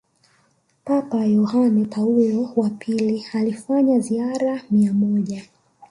Papa Yohane Paulo wa pili alifanya ziara mia moja